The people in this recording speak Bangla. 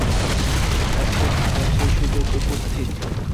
এখন আবার সেই সুযোগ উপস্থিত।